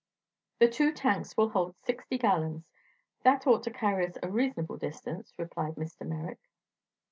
"The two tanks will hold sixty gallons. That ought to carry us any reasonable distance," replied Mr. Merrick.